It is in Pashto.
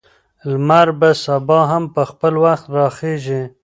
لمر به سبا هم په خپل وخت راخیژي.